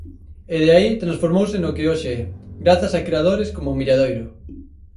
E de aí transformouse no que hoxe é, grazas a creadores coma Milladoiro.